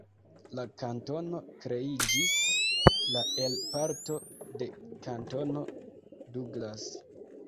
La kantono kreiĝis la el parto de Kantono Douglas.